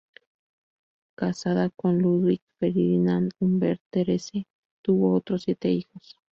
Casada con Ludwig Ferdinand Huber, Therese tuvo otros siete hijos.